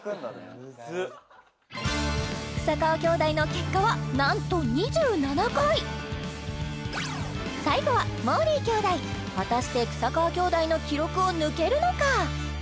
ムズッ草川兄弟の結果はなんと２７回最後はもーりー兄弟果たして草川兄弟の記録を抜けるのか？